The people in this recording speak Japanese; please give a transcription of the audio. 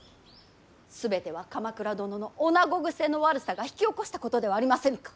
全ては鎌倉殿の女子癖の悪さが引き起こしたことではありませぬか。